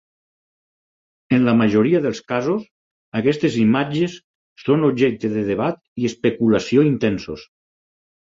En la majoria dels casos, aquestes imatges són objecte de debat i especulació intensos.